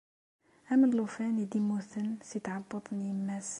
Am llufan i d-immuten si tɛebbuḍt n yemma-s.